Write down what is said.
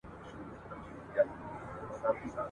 شاعر: ایلا ویلر ویلکا کس ..